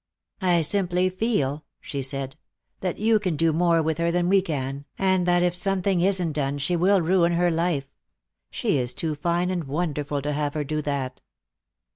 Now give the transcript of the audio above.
"I simply feel," she said, "that you can do more with her than we can, and that if something isn't done she will ruin her life. She is too fine and wonderful to have her do that."